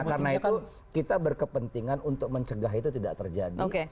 karena itu kita berkepentingan untuk mencegah itu tidak terjadi